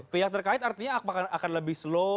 pihak terkait artinya akan lebih slow